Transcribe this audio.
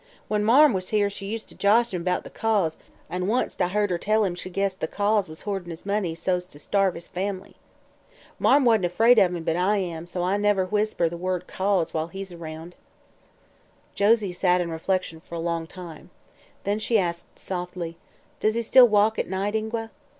When Marm was here she used to josh him about the 'Cause,' an' once I heard her tell him she guessed the Cause was hoardin' his money so's to starve his family. Marm wasn't afraid of him, but I am, so I never whisper the word 'Cause' while he's around." Josie sat in silent reflection for a time. Then she asked softly: "Does he still walk at night, Ingua?"